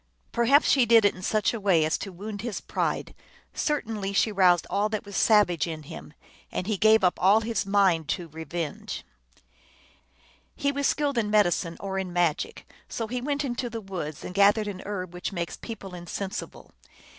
Perhaps she did it in such a way as to wound his pride ; certainly she roused all that was savage in him, and he gave up all his mind to revenge. 252 THE ALGONQUIN LEGENDS. He was skilled in medicine, or in magic, so he went into the woods and gathered an herb which makes people insensible.